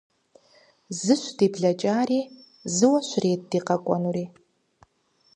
Зыщ ди блэкӀари, зыуэ щрет ди къэкӀуэнури.